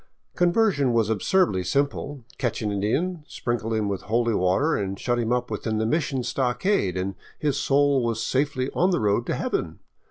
Conversion was absurdly simple. Catch an Indian, sprinkle him with holy water, and shut him up within the mission stockade, and his soul was safely on the road to heaven.